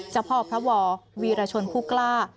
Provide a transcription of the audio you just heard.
เจ้าพ่อพระววีรชนผู้กล้า